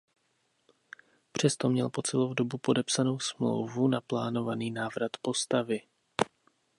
Přesto měl po celou dobu podepsanou smlouvu na plánovaný návrat postavy.